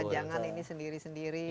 jangan ini sendiri sendiri